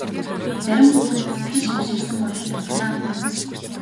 Зарим хүүхэд сэтгэл шимширсэн бололтой санаа алдав.